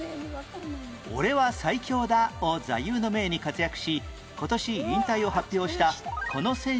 「俺は最強だ」を座右の銘に活躍し今年引退を発表したこの選手の名前は？